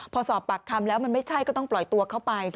พอสอบปากคำแล้วมันไม่ใช่ก็ต้องปล่อยตัวเข้าไป